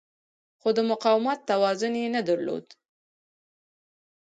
خو د مقاومت توان یې نه درلود.